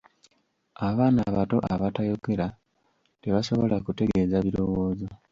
Abaana abato abatayogera, tebasobola kutegeeza birowoozo.